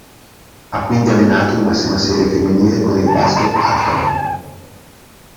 Ha quindi allenato in massima serie femminile con il Basket Alcamo.